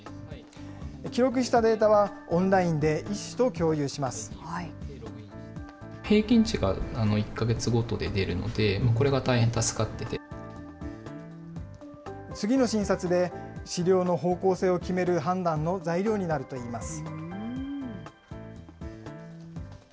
記録したデータは、オンラインで次の診察で、治療の方向性を決める判断の材料になるといいます。